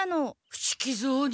伏木蔵に？